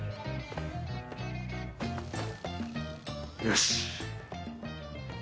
よし。